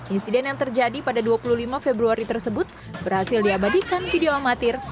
insiden yang terjadi pada dua puluh lima februari tersebut berhasil diabadikan video amatir